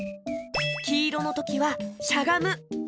きいろのときはしゃがむ。